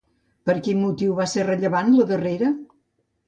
Per quin motiu va ser rellevant, la darrera?